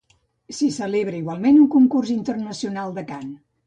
S'hi celebra igualment un concurs internacional de cant.